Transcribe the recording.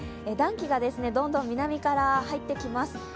暖気がどんどん南から入ってきます。